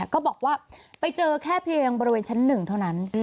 ก็บอกว่าไปเจอแค่เพียงบริเวณชั้น๑เท่านั้น